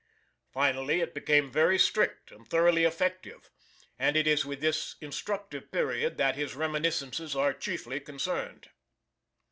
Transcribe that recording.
Finally it became very strict and thoroughly effective, and it is with this instructive period that his reminiscences are chiefly concerned.